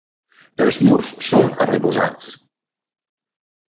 Els murs són arrebossats.